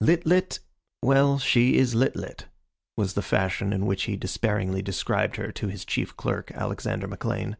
"Lit lit well, she is Lit lit," was the fashion in which he despairingly described her to his chief clerk, Alexander McLean.